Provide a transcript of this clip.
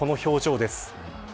この表情です。